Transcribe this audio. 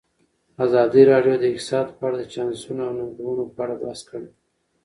ازادي راډیو د اقتصاد په اړه د چانسونو او ننګونو په اړه بحث کړی.